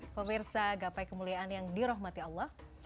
pemirsa gapai kemuliaan yang dirahmati allah